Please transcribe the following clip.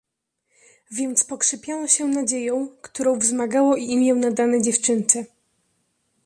"Więc pokrzepiano się nadzieją, którą wzmagało i imię nadane dziewczynce."